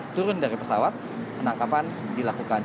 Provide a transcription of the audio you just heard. turun dari pesawat penangkapan dilakukan